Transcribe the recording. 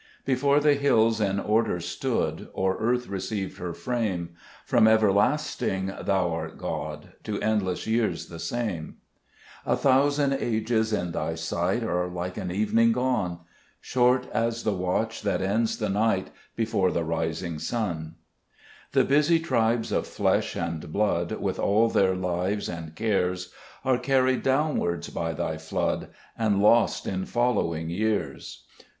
3 Before the hills in order stood, Or earth received her frame, From everlasting Thou art God, To endless years the same. 26 Cbe JBest Cburcb *Emns. A thousand ages in Thy sight Are like an evening gone ; Short as the watch that ends the night Before the rising sun. 5 The busy tribes of flesh and blood, With all their lives and cares, Are carried downwards by Thy flood, And lost in following years.